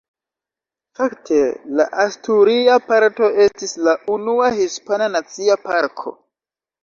Fakte la asturia parto estis la unua hispana nacia parko.